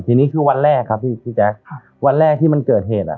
ทีนี้คือวันแรกครับพี่พี่แจ๊ควันแรกที่มันเกิดเหตุอ่ะ